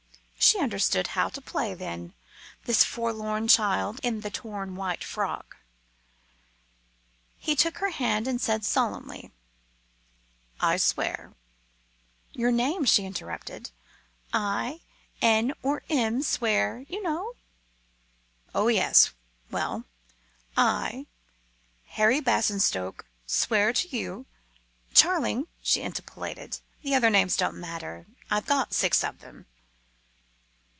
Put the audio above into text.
She understood how to play, then, this forlorn child in the torn white frock. He took her hand and said solemnly "I swear." "Your name," she interrupted. "I, N or M, swear, you know." "Oh, yes. Well, I, Harry Basingstoke, swear to you " "Charling," she interpolated; "the other names don't matter. I've got six of them."